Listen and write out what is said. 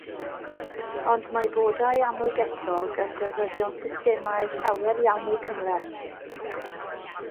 Ond mae bodau amlgellog yn defnyddio systemau llawer iawn mwy cymhleth.